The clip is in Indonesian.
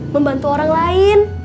membantu orang lain